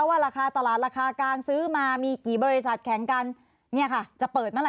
ว่าราคาตลาดราคากลางซื้อมามีกี่บริษัทแข่งกันเนี่ยค่ะจะเปิดเมื่อไห